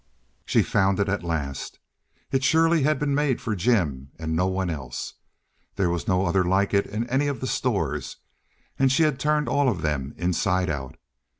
She found it at last. It surely had been made for Jim and no one else. There was no other like it in any of the stores, and she had turned all of them inside out.